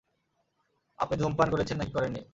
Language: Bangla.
আপনি ধূমপান করেছেন নাকি করেননি?